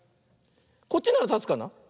こっちならたつかな。